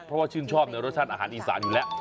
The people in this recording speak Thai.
เพราะว่าชื่นชอบในรสชาติอาหารอีสานอยู่แล้ว